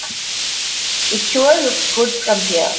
It sure looks good from here.